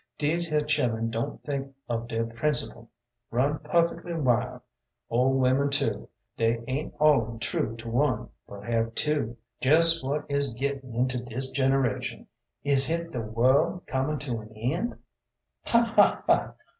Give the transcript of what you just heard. Dese here chillun don't think of deir principle. Run purfectly wild. Old women too. Dey ain't all 'em true to one, but have two. Jes what is gittin' into dis generation; is hit de worl' comin' to an end? Ha! ha! ha!